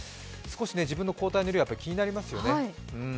自分の抗体量は気になりますよね。